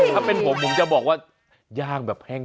ถ้าเป็นผมผมจะบอกว่าย่างแบบแห้ง